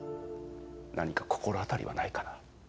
何か心当たりはないかな？